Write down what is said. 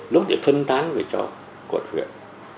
lúc thì phân tán về cho quận huyện